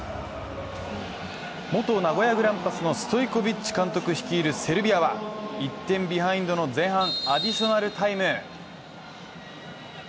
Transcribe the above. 元名古屋グランパスのストイコビッチ監督率いるセルビアは１点ビハインドの前半、アディショナルタイム。